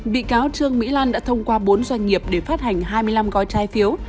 bị cáo trương mỹ lan đã thông qua bốn doanh nghiệp để phát hành hai mươi năm gói trái phiếu